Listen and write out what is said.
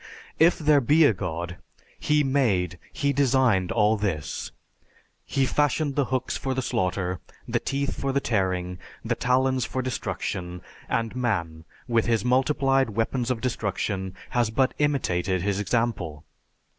If there be a God, he made, he designed all this. He fashioned the hooks for the slaughter, the teeth for the tearing, the talons for destruction, and man with his multiplied weapons of destruction has but imitated his example.